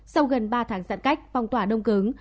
sau gần ba tháng giãn cách phong tỏa đông cứng